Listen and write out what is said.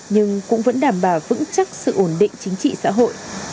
nhưng cũng vẫn đảm bảo vững chắc sự ổn định chính trị xã hội